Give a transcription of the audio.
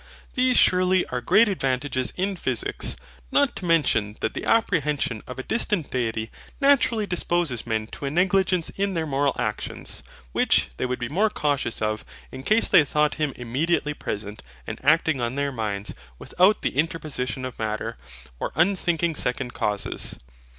These surely are great advantages in PHYSICS. Not to mention that the apprehension of a distant Deity naturally disposes men to a negligence in their moral actions; which they would be more cautious of, in case they thought Him immediately present, and acting on their minds, without the interposition of Matter, or unthinking second causes.